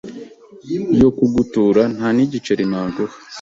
yo kugutura nta n’igiceri naguha,